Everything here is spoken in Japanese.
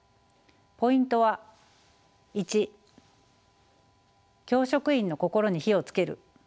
ポイントは１教職員の心に火をつける。